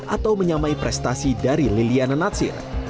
atau menyamai prestasi dari liliana natsir